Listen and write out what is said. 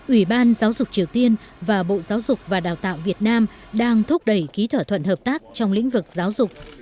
ủy ban giáo dục triều tiên và bộ giáo dục và đào tạo việt nam đang thúc đẩy ký thỏa thuận hợp tác trong lĩnh vực giáo dục